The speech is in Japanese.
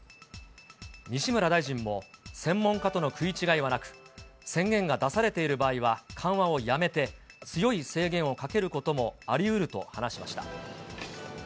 西村大臣も専門家との食い違いはなく、宣言が出されている場合は緩和をやめて、強い制限をかけることもありうると話しました。